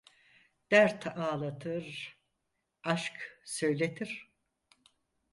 Dert ağlatır, aşk söyletir.